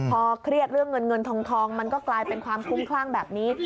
พอเครียดเรื่องเงินเงินทองมันก็กลายเป็นความคุ้มคลั่งแบบนี้